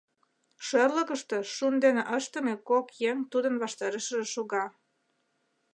Шӧрлыкыштӧ шун дене ыштыме кок еҥ тудын ваштарешыже шога.